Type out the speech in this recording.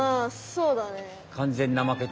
そうだね。